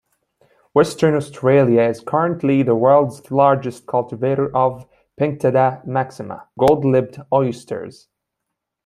Western Australia is currently the world's largest cultivator of "Pinctada maxima" gold-lipped oysters.